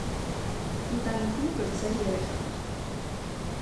Ընտանիքուում կրտսեր երեխան էր։